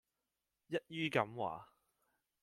一於咁話